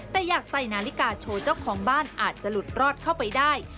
แต่อยากใส่นาฬิกาโชว์เจ้าของบ้านอาจจะหลุดรอดเข้าไปได้